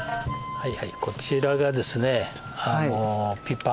はい。